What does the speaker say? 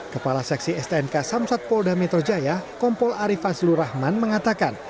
kepala seksi stnk samsat polda metro jaya kompol arief hazul rahman mengatakan